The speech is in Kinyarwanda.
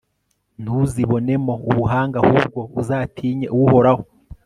ntuzibonemo ubuhanga, ahubwo uzatinye uhoraho